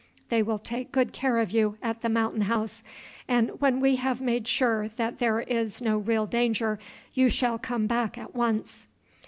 They will take good care of you at the Mountain House; and when we have made sure that there is no real danger, you shall come back at once."